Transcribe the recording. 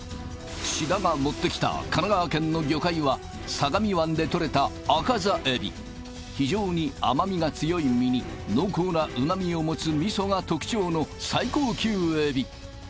志田が持ってきた神奈川県の魚介は相模湾で取れたアカザエビ非常に甘みが強い身に濃厚な旨味をもつミソが特徴の最高級エビ